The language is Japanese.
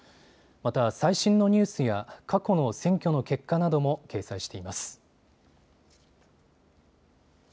また、最新のニュースや過去の選挙の結果なども掲載しています。